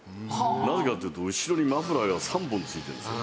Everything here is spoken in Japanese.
なぜかっていうと後ろにマフラーが３本付いてるんですよ。